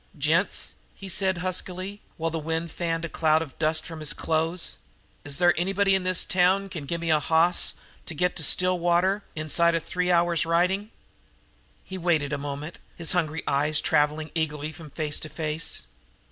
"Gents," he said huskily, while a gust of wind fanned a cloud of dust from his clothes, "is there anybody in this town can gimme a hoss to get to Stillwater, inside three hours' riding?" He waited a moment, his hungry eyes traveling eagerly from face to face.